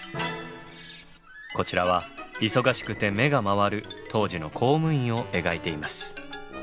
こちらはいそがしくて目がまわる当時の公務員を描いています。